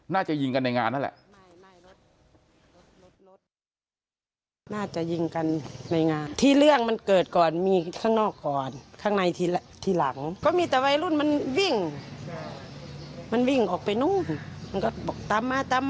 น่าจะยิงกันในงานนั่นแหละ